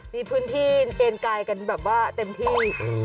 มีพื้นที่เอ็นกายกันแบบว่าเต็มที่